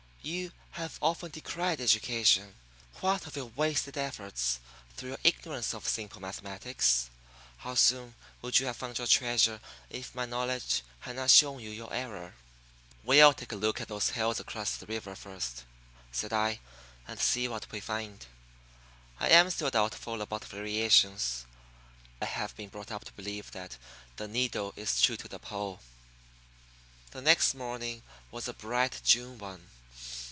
You have often decried education. What of your wasted efforts through your ignorance of simple mathematics? How soon would you have found your treasure if my knowledge had not shown you your error?" "We'll take a look at those hills across the river first," said I, "and see what we find. I am still doubtful about variations. I have been brought up to believe that the needle is true to the pole." The next morning was a bright June one.